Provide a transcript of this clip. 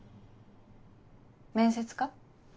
面接か。